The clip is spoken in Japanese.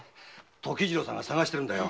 時次郎さんが捜してるんだよ。